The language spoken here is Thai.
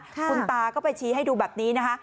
คุณตาก็ไปชี้ให้ดูแบบนี้นะคะ